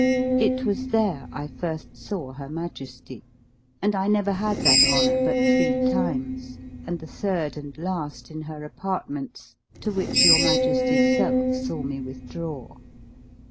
It was there I first saw her majesty. And I never had that honor but three times; and the third and last in her apartments, to which your majesty's self saw me withdraw.